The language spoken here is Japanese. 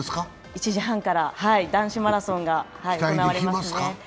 １時半から男子マラソンが行われますね。